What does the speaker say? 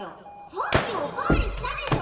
さっきお代わりしたでしょ！